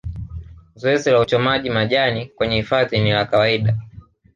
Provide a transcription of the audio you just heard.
Zoezi la uchomaji majani kwenye hifadhi ni la kawaida